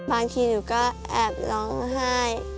บางทีหนูก็แอบร้องไห้